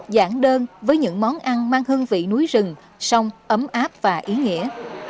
giảng đơn với những món ăn mang hương vị núi rừng sông ấm áp và ý nghĩa